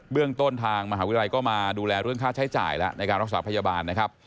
เรื่องต้นทางมหาวิทยาลัยก็มาดูแลเรื่องค่าใช้จ่ายแล้วในการรักษาพยาบาลนะครับ